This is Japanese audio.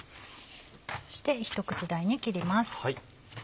そして一口大に切ります。